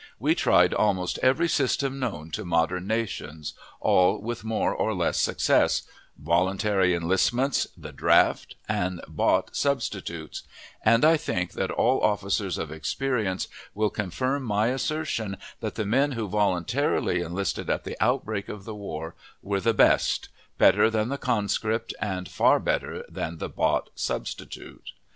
We tried almost every system known to modern nations, all with more or less success voluntary enlistments, the draft, and bought substitutes and I think that all officers of experience will confirm my assertion that the men who voluntarily enlisted at the outbreak of the war were the best, better than the conscript, and far better than the bought substitute.